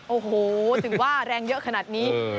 โอ้โหถึงว่าแรงเยอะขนาดนี้